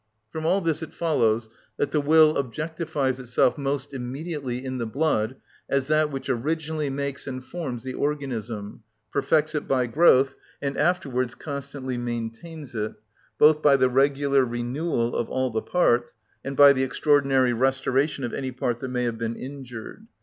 From all this it follows that the will objectifies itself most immediately in the blood as that which originally makes and forms the organism, perfects it by growth, and afterwards constantly maintains it, both by the regular renewal of all the parts and by the extraordinary restoration of any part that may have been injured.